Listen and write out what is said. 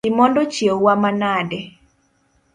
Imondo chiewo wa manade?